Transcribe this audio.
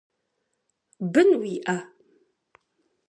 Бын уиӏэ?